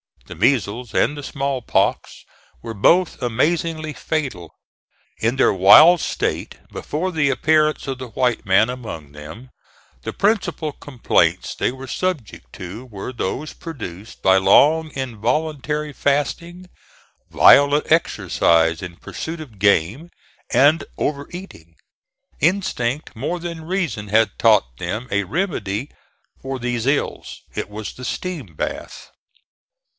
The measles and the small pox were both amazingly fatal. In their wild state, before the appearance of the white man among them, the principal complaints they were subject to were those produced by long involuntary fasting, violent exercise in pursuit of game, and over eating. Instinct more than reason had taught them a remedy for these ills. It was the steam bath.